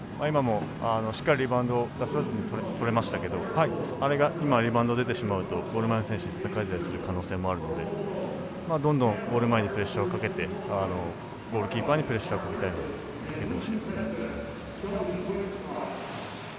今も、しっかりリバウンド出さずにとれましたけどあれが今、出てしまうとゴール前の選手にたたかれたりする可能性あるのでどんどんゴール前にプレッシャーかけてゴールキーパーにプレッシャーをかけてほしいです。